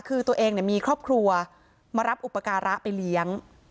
คือตัวเองมีครอบครัวมารับอุปการะไปเลี้ยง